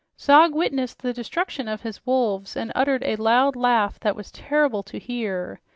Zog witnessed the destruction of his wolves and uttered a loud laugh that was terrible to hear.